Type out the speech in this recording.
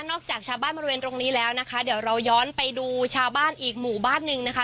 จากชาวบ้านบริเวณตรงนี้แล้วนะคะเดี๋ยวเราย้อนไปดูชาวบ้านอีกหมู่บ้านหนึ่งนะคะ